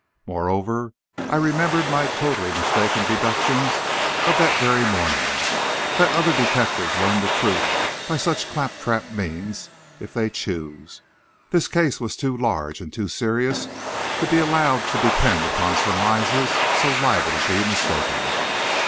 Moreover I remembered my totally mistaken deductions of that very morning. Let other detectives learn the truth by such claptrap means if they choose. This case was too large and too serious to be allowed to depend on surmises so liable to be mistaken.